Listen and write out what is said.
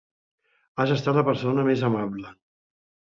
Has estat la persona més amable.